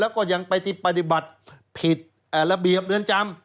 แล้วก็ยังไปที่ปฏิบัติผิดระเบียบเรือนจำ